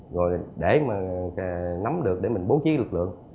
rồi để mà nắm được để mình bố trí lực lượng